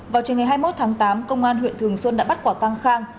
vào trường ngày hai mươi một tháng tám công an huyện thường xuân đã bắt quả tăng khang